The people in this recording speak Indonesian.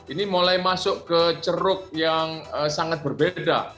ini mulai masuk ke cara yang berbeda